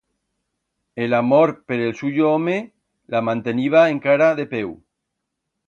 El amor per el suyo home la manteniba encara de peu.